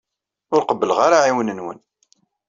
Ur qebbleɣ ara aɛiwen-nwen.